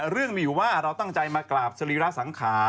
เรื่องมีอยู่ว่าเราตั้งใจมากราบสรีระสังขาร